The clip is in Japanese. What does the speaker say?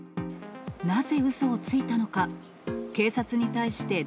なぜ、うそをついたのか。